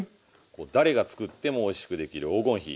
誰が作ってもおいしくできる黄金比。